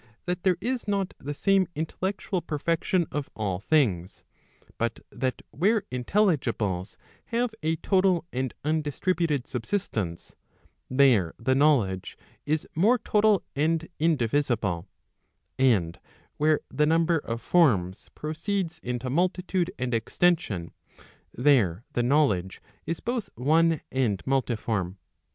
that there is not the same intellectual perfection of all things, but that where intelligible have a total and undistributed subsistence, there the knowledge is more total and indivisible, and where the number of forms proceeds into multitude and extension, there the knowledge is both one and multiform.